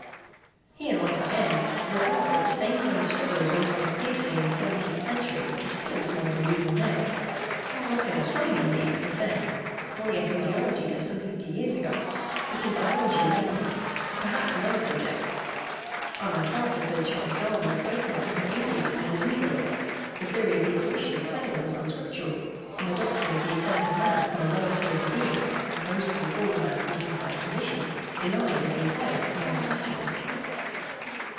Here might I end, were it not that the same kind of struggle as went on fiercely in the seventeenth century is still smouldering even now. Not in astronomy indeed, as then; nor yet in geology, as some fifty years ago; but in biology mainly perhaps in other subjects. I myself have heard Charles Darwin spoken of as an atheist and an infidel, the theory of evolution assailed as unscriptural, and the doctrine of the ascent of man from a lower state of being, as opposed to the fall of man from some higher condition, denied as impious and un Christian.